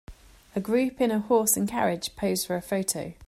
A group in a horse and carriage pose for a photo.